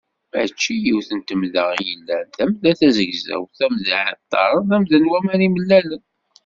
Mačči yiwet n temda i yellan: tamda tazegzawt, tamda n yiɛeṭṭaren, tamda n waman imellalen…